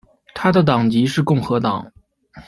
他的党籍是共和党。